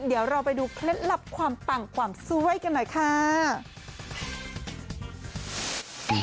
เดี๋ยวเราไปดูเคล็ดลับความปังความสวยกันหน่อยค่ะ